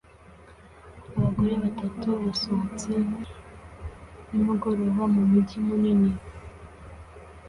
Abagore batatu basohotse nimugoroba mumujyi munini